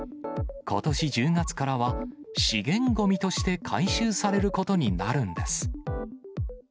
ことし１０月からは、資源ごみとして回収されることになるんです。